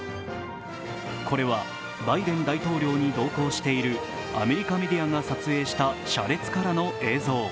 これはバイデン大統領に同行しているアメリカメディアが撮影した車列からの映像。